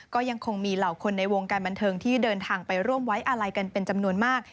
ก็ยังคงมีเหล่าคนในวงการบันเทิงที่เดินทางไปร่วมไว้อาลัยกันเป็นจำนวนมาก